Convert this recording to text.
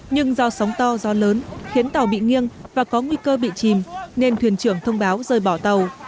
nhưng do sóng to gió lớn khiến tàu bị nghiêng và có nguy cơ bị chìm nên thuyền trưởng thông báo rời bỏ tàu